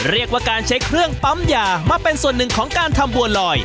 เรียกว่าการใช้เครื่องปั๊มยามาเป็นส่วนหนึ่งของการทำบัวลอย